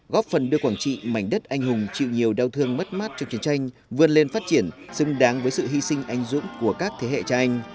góp phần đưa quảng trị mảnh đất anh hùng chịu nhiều đau thương mất mát trong chiến tranh vươn lên phát triển xứng đáng với sự hy sinh anh dũng của các thế hệ cha anh